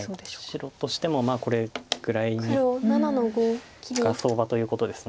白としてもこれぐらいが相場ということです。